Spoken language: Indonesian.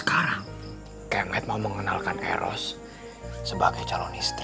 saya ingat mau mengenalkan eros sebagai calon istri